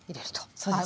そうですね。